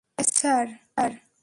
Yes, sir?